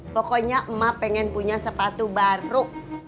pokoknya emak pengen punya sepatu baru